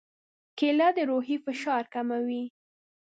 کېله د روحي فشار کموي.